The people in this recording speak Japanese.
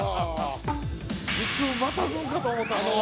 時空またぐんかと思うたのう。